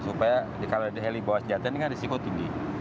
supaya kalau heli bawah sejatan ini kan risiko tinggi